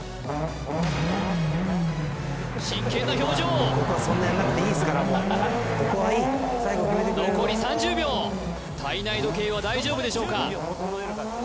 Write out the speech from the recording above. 真剣な表情残り３０秒体内時計は大丈夫でしょうか？